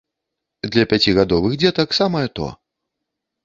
Для пяцігадовых дзетак самае тое.